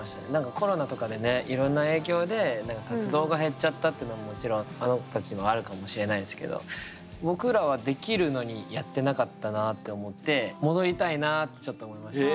コロナとかでねいろんな影響で活動が減っちゃったってのももちろんあの子たちにもあるかもしれないですけどって思って戻りたいなあってちょっと思いましたね。